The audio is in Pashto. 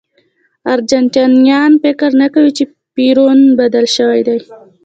ارجنټاینان فکر نه کوي چې پېرون بدل شوی دی.